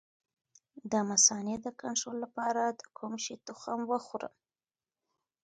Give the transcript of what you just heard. د مثانې د کنټرول لپاره د کوم شي تخم وخورم؟